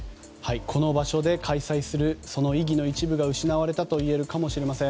この場所で開催するその意義の一部が失われたということかもしれません。